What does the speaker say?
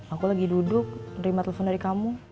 aku lagi duduk nerima telepon dari kamu